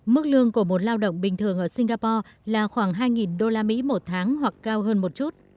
mức lương của một lao động bình thường ở singapore là khoảng hai usd một tháng hoặc cao hơn một chút